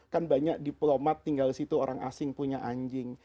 kan banyak diplomat tinggal di situ orang asing punya anjing